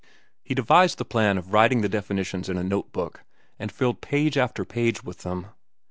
He devised the plan of writing the definitions in a note book, and filled page after page with them.